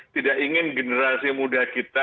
tidak ingin generasi muda kita